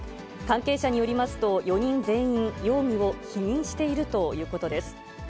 関係者によりますと、４人全員、容疑を否認しているということです。